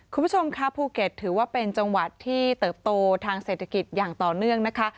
คุณผู้ชมค่ะภูเก็ตถือว่าเป็นจังหวัดที่เติบโตทางเศรษฐกิจอย่างต่อเนื่องนะคะ